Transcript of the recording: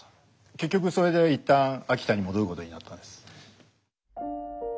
結局それで一旦秋田に戻ることになったんです。